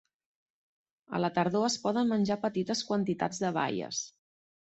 A la tardor es poden menjar petites quantitats de baies.